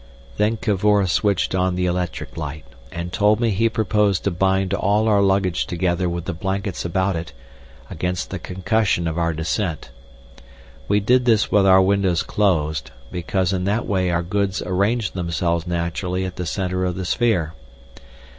Then Cavor switched on the electric light, and told me he proposed to bind all our luggage together with the blankets about it, against the concussion of our descent. We did this with our windows closed, because in that way our goods arranged themselves naturally at the centre of the sphere.